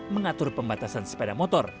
mengatur pembatasan sepeda motor